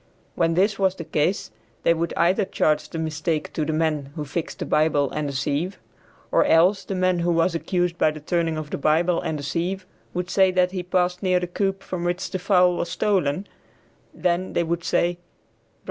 When this was the case they would either charge the mistake to the men who fixed the Bible and the sieve, or else the man who was accused by the turning of the Bible and the sieve, would say that he passed near the coop from which the fowl was stolen, then they would say, "Bro.